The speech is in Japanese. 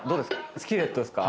スキレットですか？